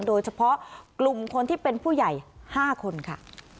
โดยเฉพาะกลุ่มคนที่เป็นผู้ใหญ่๕คนค่ะ